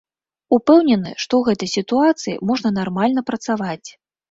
Упэўнены, што ў гэтай сітуацыі можна нармальна працаваць.